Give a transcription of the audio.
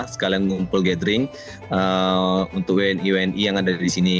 sekalian ngumpul gathering untuk wni wni yang ada di sini